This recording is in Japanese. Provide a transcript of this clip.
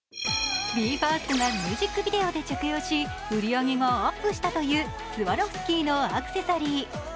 ＢＥ：ＦＩＲＳＴがミュージックビデオで着用し話題となったスワロフスキーのアクセサリー。